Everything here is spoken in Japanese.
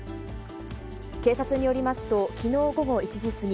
警察によりますと、きのう午後１時過ぎ、